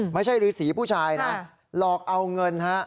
ไม่ใช่ฤษีผู้ชายนะหลอกเอาเงินฮะ